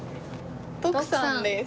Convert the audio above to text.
徳さんです。